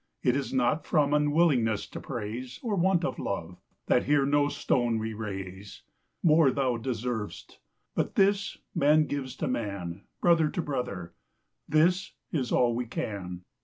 It is not from unwillingness to praise, Or want of love, that here no Stone we raise; More thou deserv'st; but this man gives to man, 5 Brother to brother, this is all we can.